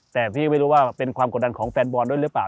แต่พี่ไม่รู้ว่าเป็นความกดดันของแฟนบอลด้วยหรือเปล่า